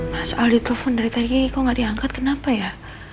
mas aldi telepon dari tki kok nggak diangkat kenapa ya